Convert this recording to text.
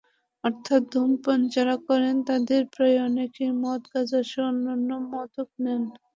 অর্থাৎ ধূমপান যাঁরা করেন, তাঁদের প্রায় অনেকেই মদ, গাঁজাসহ অন্যান্য মাদক নেন।